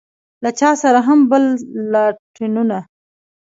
له چا سره هم بل لاټينونه.